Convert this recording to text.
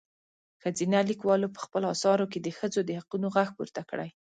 ښځينه لیکوالو په خپلو اثارو کې د ښځو د حقونو غږ پورته کړی.